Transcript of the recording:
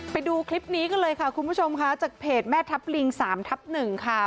ไปดูคลิปนี้กันเลยค่ะคุณผู้ชมค่ะจากเพจแม่ทัพลิง๓ทับ๑ค่ะ